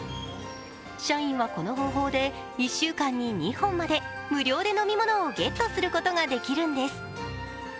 社員はこの方法で、１週間に２本まで無料で飲み物をゲットすることができるんです。